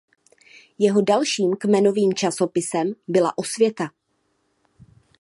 Jeho dalším kmenovým časopisem byla "Osvěta".